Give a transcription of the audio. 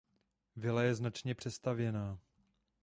Vila je značně přestavěná.